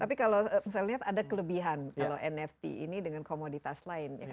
tapi kalau saya lihat ada kelebihan kalau nft ini dengan komoditas lain